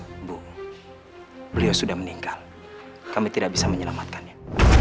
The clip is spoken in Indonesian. ibu beliau sudah meninggal kami tidak bisa menyelamatkannya